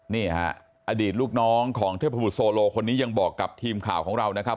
นี่ฮะอดีตลูกน้องของเทพบุตรโซโลคนนี้ยังบอกกับทีมข่าวของเรานะครับ